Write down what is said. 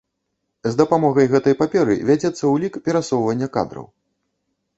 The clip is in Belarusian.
З дапамогай гэтай паперы вядзецца ўлік перасоўвання кадраў.